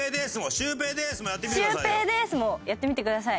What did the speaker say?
「シュウペイでーす」もやってみてください。